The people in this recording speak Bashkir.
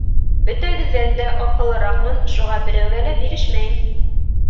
— Бөтәгеҙҙән дә аҡыллыраҡмын, шуға берәүгә лә бирешмәйем.